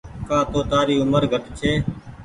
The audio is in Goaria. ڪآ تو تآري اومر گھٽ ڇي۔